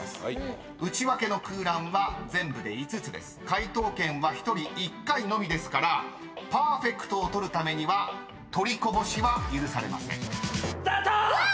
［解答権は１人１回のみですからパーフェクトを取るためには取りこぼしは許されません］スタート！